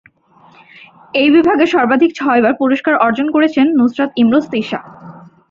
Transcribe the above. এই বিভাগে সর্বাধিক ছয়বার পুরস্কার অর্জন করেন নুসরাত ইমরোজ তিশা।